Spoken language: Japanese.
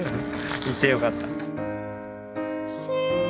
行ってよかった。